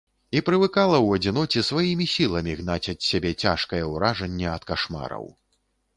І прывыкала ў адзіноце сваімі сіламі гнаць ад сябе цяжкае ўражанне ад кашмараў.